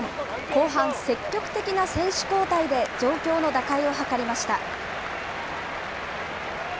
後半、積極的な選手交代で状況の打開を図りました。